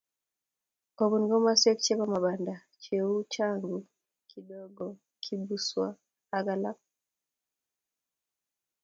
Kobun komoswek chebo mabanda cheu Changu, kidogo, kabisuswa akalak